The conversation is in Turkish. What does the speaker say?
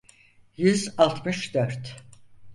Yüz altmış dört.